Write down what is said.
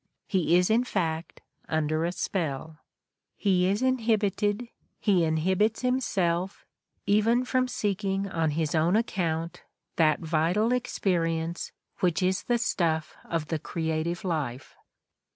He is, in fact, under a spell. He is inhibited, he inhibits himself, even from seeking on his own account that vital experience which is the stuff of the creative life.